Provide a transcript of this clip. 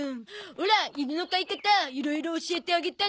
オラ犬の飼い方いろいろ教えてあげたのに。